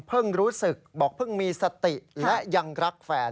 รู้สึกบอกเพิ่งมีสติและยังรักแฟน